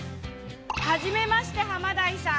初めましてハマダイさん。